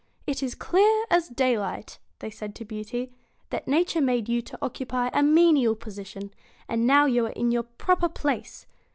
'It is clear as daylight,' said they to Beauty; 'that Nature made you to occupy a menial position, and now you are in your proper place.